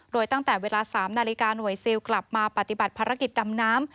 โดยตั้งแต่เวลา๓นาฬิกาหน่วยซิลกลับมาปฏิบัติภารกิจดำน้ำ